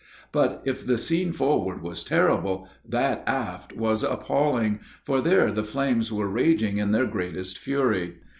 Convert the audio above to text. "But if the scene forward was terrible, that aft was appalling, for there the flames were raging in their greatest fury.